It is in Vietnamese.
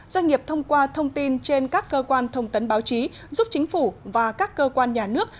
doanh nghiệp thông qua thông tin trên các cơ quan thông tấn báo chí giúp chính phủ và các cơ quan nhà nước